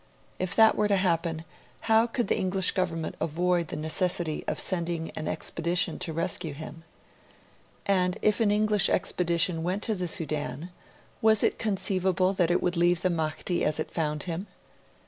If that were to happen, how could the English Government avoid the necessity of sending an expedition to rescue him? And, if an English expedition went to the Sudan, was it conceivable that it would leave the Mahdi as it found him?